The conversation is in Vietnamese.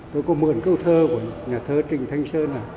tôi có mượn câu thơ của nhà thơ trình thanh sơn là